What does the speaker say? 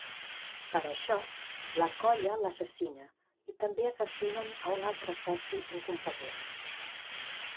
Per això, la colla l'assassina, i també assassinen a un altre soci incompetent.